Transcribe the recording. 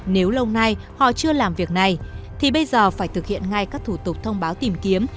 nếu lâu nay họ chưa làm việc này thì bây giờ phải thực hiện ngay các thủ tục thông báo tìm kiếm